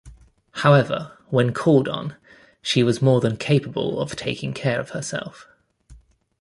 However, when called on, she was more than capable of taking care of herself.